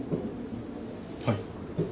はい。